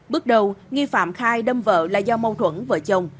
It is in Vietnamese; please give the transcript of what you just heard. bước đầu nghi phạm khai đâm vợ là do mâu thuẫn vợ chồng